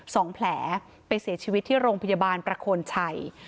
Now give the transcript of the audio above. สองแผลไปเสียชีวิตที่โรงพยาบาลประโคนชัย